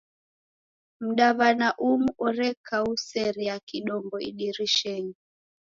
Mdaw'ana umu orekauserie kidombo idirishenyi.